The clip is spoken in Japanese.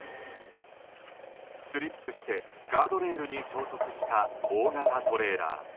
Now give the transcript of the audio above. スリップしてガードレールに衝突した大型トレーラー。